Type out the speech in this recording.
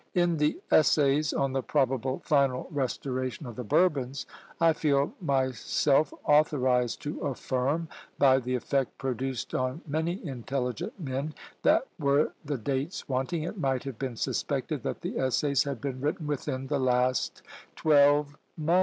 In the essays 'On the Probable Final Restoration of the Bourbons,' I feel myself authorised to affirm, by the effect produced on many intelligent men, that were the dates wanting, it might have been suspected that the essays had been written within the last twelve months."